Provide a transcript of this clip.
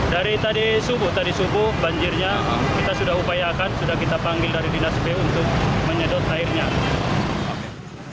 dari tadi subuh tadi subuh banjirnya kita sudah upayakan sudah kita panggil dari dinas b untuk menyedot airnya